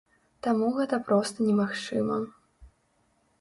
Таму гэта проста немагчыма.